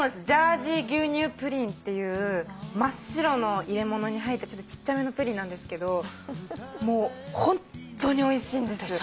ジャージー牛乳プリンっていう真っ白の入れ物に入ったちょっとちっちゃめのプリンなんですけどもうホンットにおいしいんです。